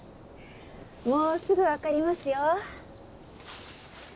もうすぐわかりますよ。